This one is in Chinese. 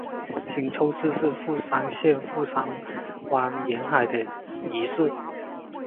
新凑市是富山县富山湾沿岸的一市。